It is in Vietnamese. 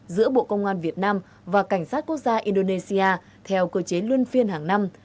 giữa bộ công an việt nam và cảnh sát quốc gia indonesia theo cơ chế luân phiên hàng năm